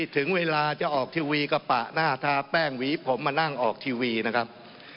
ถึงเวลาจะออกทีวีก็ปะหน้าทาแป้งหวีผมมานั่งออกทีวีนะครับ